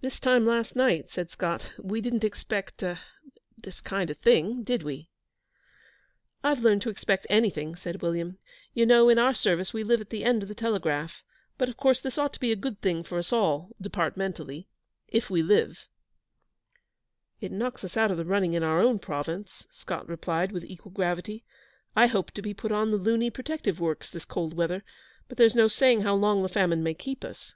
'This time last night,' said Scott, 'we didn't expect er this kind of thing, did we?' 'I've learned to expect anything,' said William. 'You know, in our service, we live at the end of the telegraph; but, of course, this ought to be a good thing for us all, departmentally if we live.' 'It knocks us out of the running in our own Province,' Scott replied, with equal gravity. 'I hoped to be put on the Luni Protective Works this cold weather; but there's no saying how long the famine may keep us.'